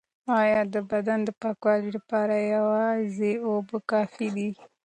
ایا د بدن د پاکوالي لپاره یوازې اوبه کافی دي؟